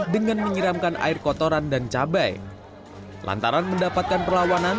dengan menyatakan pemerintah yang berada di jalan seibatan serangan